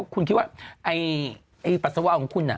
คุณคิดว่าไอ้ปัสสาวะของคุณ